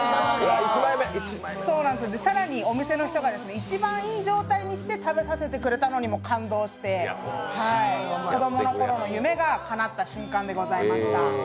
更にお店の人が一番いい状態にして食べさせてくれたのにも感動して子供のころの夢がかなった瞬間でございました。